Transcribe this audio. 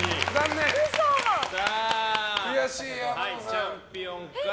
チャンピオンから。